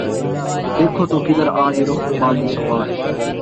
دیکھو تو کدھر آج رخ باد صبا ہے